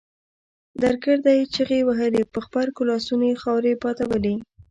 درګرده يې چيغې وهلې په غبرګو لاسونو يې خاورې بادولې.